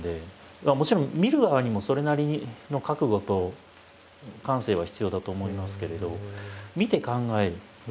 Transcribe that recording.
もちろん見る側にもそれなりの覚悟と感性は必要だと思いますけれど。